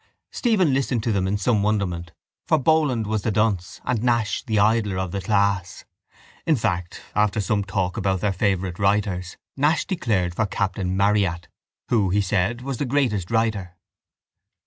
Stephen listened to them in some wonderment for Boland was the dunce and Nash the idler of the class. In fact after some talk about their favourite writers Nash declared for Captain Marryat who, he said, was the greatest writer.